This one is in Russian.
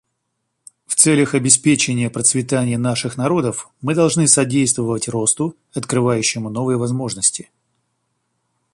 В целях обеспечения процветания наших народов мы должны содействовать росту, открывающему новые возможности.